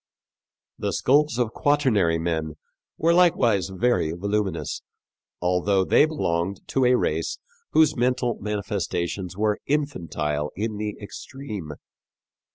The skulls of Quaternary men were likewise very voluminous, although they belonged to a race whose mental manifestations were infantile in the extreme.